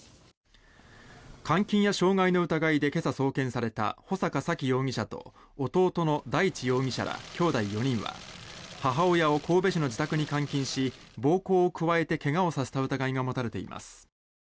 監禁や傷害の疑いで今朝、送検された穂坂沙喜容疑者と弟の大地容疑者らきょうだい４人は母親を神戸市の自宅に監禁し暴行を加えて怪我をさせた疑いが持たれています。